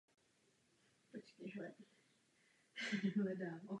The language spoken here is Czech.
I růst její černé díry se už zastavil.